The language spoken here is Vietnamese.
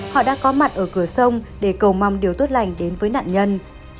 họ đã có mặt ở cửa sông để cầu mong điều tốt lành đến với nạn nhân